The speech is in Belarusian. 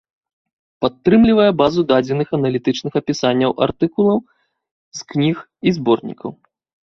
Падтрымлівае базу дадзеных аналітычных апісанняў артыкулаў з кніг і зборнікаў.